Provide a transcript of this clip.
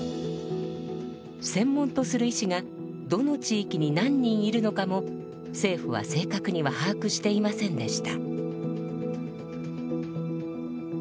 専門とする医師がどの地域に何人いるのかも政府は正確には把握していませんでした。